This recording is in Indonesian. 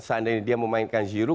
seandainya dia memainkan giroud